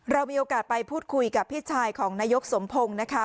เรามีโอกาสไปพูดคุยกับพี่ชายของนายกสมพงศ์นะคะ